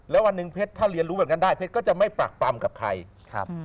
แล้ววันหนึ่งเพชรถ้าเรียนรู้แบบนั้นได้เพชรก็จะไม่ปรักปรำกับใครครับ